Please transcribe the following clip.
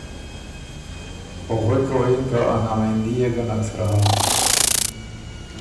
او غوېکه وه یِن که ”ا نامېندي يې ګه نک سرۀ هۀ۔